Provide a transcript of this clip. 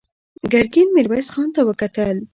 ګرګين ميرويس خان ته وکتل.